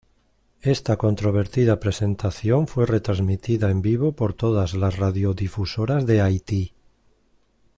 Esta controvertida presentación fue retransmitida en vivo por todas las radiodifusoras de Haití.